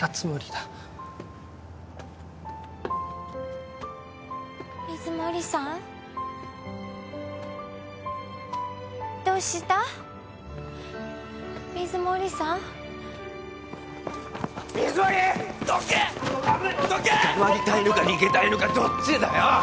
捕まりたいのか逃げたいのかどっちだよ！